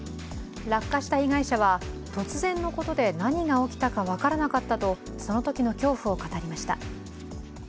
落下した被害者は、突然のことで何が起きたか分からなかったとそのときの恐怖を語りました。